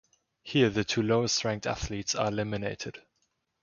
Here the two lowest-ranked athletes are eliminated.